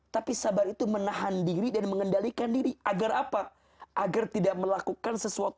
tapi sabar itu menahan diri dan mengendalikan diri agar apa agar tidak melakukan sesuatu